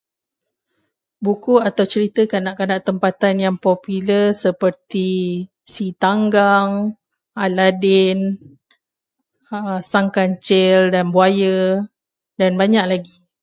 Buku atau cerita kanak-kanak tempatan yang popular seperti Si Tanggang, Aladdin, Sang Kancil dan Buaya dan banyak lagi.